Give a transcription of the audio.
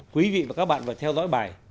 quý vị và các bạn phải theo dõi bài